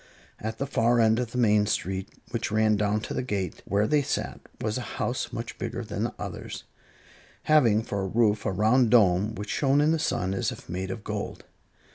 At the far end of the main street, which ran down to the gate where they sat, was a house much bigger than the others, having for a roof a round dome which shone in the sun as if made of gold.